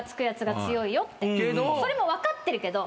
それも分かってるけど。